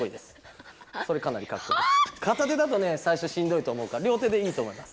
かた手だとねさいしょしんどいと思うからりょう手でいいと思います。